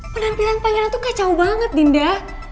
penampilan pangeran tuh kacau banget dinda